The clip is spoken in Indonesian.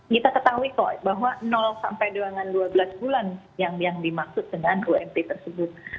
kita ketahui kok bahwa sampai dengan dua belas bulan yang dimaksud dengan ump tersebut